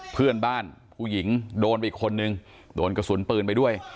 เพื่อนบ้านผู้หญิงโดนไปอีกคนนึงโดนกระสุนปืนไปด้วย